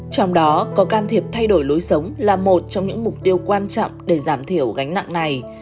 trong đó có can thiệp thay đổi lối sống là một trong những mục tiêu quan trọng để giảm thiểu gánh nặng này